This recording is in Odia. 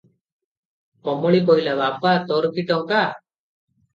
କମଳୀ କହିଲା, "ବାପା! ତୋର କି ଟଙ୍କା?